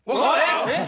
えっ？